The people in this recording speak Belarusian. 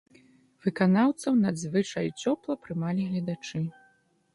Выканаўцаў надзвычай цёпла прымалі гледачы.